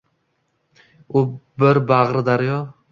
U bir bag’ri daryo